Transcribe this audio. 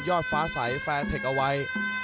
ยอดฟ้าใสแฟรนด์เทคเอาไว